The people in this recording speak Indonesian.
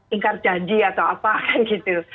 ingkar janji atau apa gitu